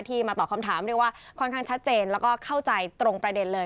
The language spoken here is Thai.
มาตอบคำถามเรียกว่าค่อนข้างชัดเจนแล้วก็เข้าใจตรงประเด็นเลย